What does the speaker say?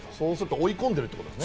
追い込んでるってことですね。